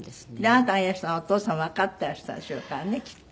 あなたがいらしたのお父様はわかってらしたでしょうからねきっと。